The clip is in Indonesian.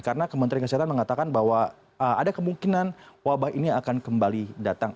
karena kementerian kesehatan mengatakan bahwa ada kemungkinan wabah ini akan kembali datang